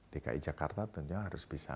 dki jakarta tentu harus bisa